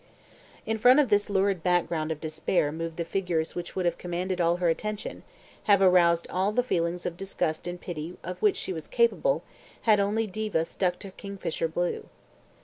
In front of this lurid background of despair moved the figures which would have commanded all her attention, have aroused all the feelings of disgust and pity of which she was capable, had only Diva stuck to kingfisher blue.